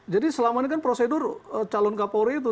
jadi selama ini kan prosedur calon kapolri itu